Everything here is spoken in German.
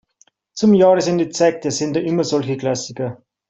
Zum Jahresende zeigt der Sender immer solche Klassiker.